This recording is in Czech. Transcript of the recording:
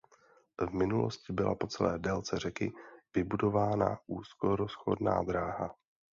V minulosti byla po celé délce řeky vybudována úzkorozchodná dráha.